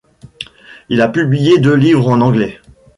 Il a publié deux livres en anglais.